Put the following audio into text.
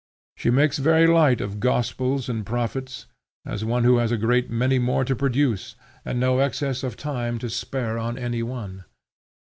She makes very light of gospels and prophets, as one who has a great many more to produce and no excess of time to spare on any one.